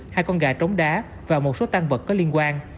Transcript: hai con gà trống đá và một số tan vật có liên quan